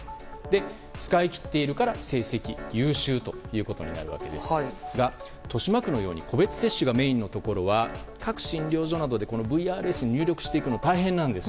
使い切っているから成績優秀となるわけですが豊島区のように個別接種がメインのところは各診療所などでＶＲＳに入力していくのが大変なんです。